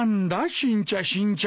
新茶新茶と。